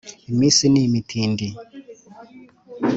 Iminsi ni imitindi.